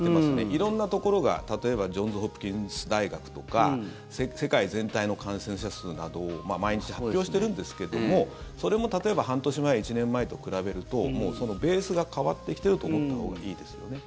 色んなところが例えばジョンズ・ホプキンス大学とか世界全体の感染者数などを毎日発表しているんですけどもそれも例えば半年前、１年前と比べるとそのベースが変わってきていると思ったほうがいいですよね。